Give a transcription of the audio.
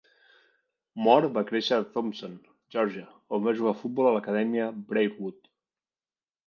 Mohr va créixer a Thomson, Geòrgia, on va jugar a futbol a l'acadèmia Briarwood.